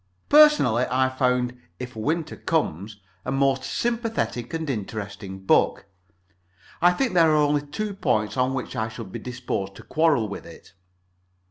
Personally, I found "If Winter Comes" a most sympathetic and interesting book. I think there are only two points on which I should be disposed to quarrel with it.